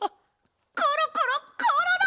コロコロコロロ！